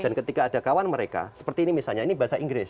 dan ketika ada kawan mereka seperti ini misalnya ini bahasa inggris